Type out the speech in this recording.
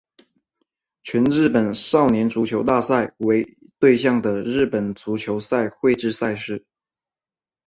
全日本少年足球大赛为对象的日本足球赛会制赛事。